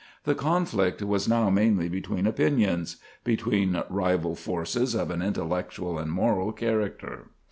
The conflict was now mainly between opinions—between rival forces of an intellectual and moral character.